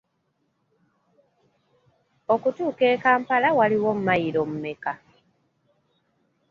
Okutuuka e Kampala waliwo mmayiro mmeka?